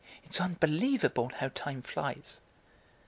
It's unbelievable how time flies."